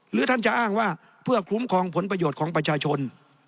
ท่านจะอ้างว่าเพื่อคุ้มครองผลประโยชน์ของประชาชน